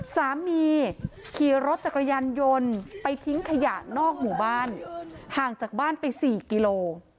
ขี่รถจักรยานยนต์ไปทิ้งขยะนอกหมู่บ้านห่างจากบ้านไป๔กิโล